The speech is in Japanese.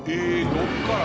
どこから？